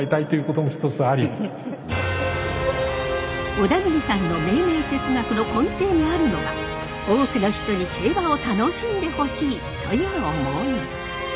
小田切さんの命名哲学の根底にあるのが多くの人に競馬を楽しんでほしいという思い。